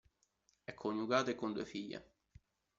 È coniugato e con due figlie.